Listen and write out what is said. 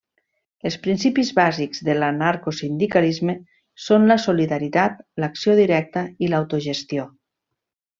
Els principis bàsics de l'anarcosindicalisme són la solidaritat, l'acció directa i l'autogestió.